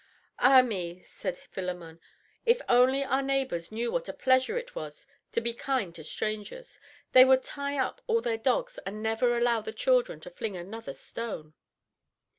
"Ah me," said Philemon, "if only our neighbors knew what a pleasure it was to be kind to strangers, they would tie up all their dogs and never allow the children to fling another stone."